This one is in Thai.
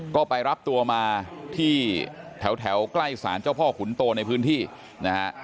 ก็ไปรับตัวมาที่แถวใกล้ศาลเจ้าพ่อขุนโตในพื้นที่นะฮะ